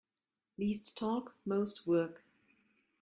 Least talk most work.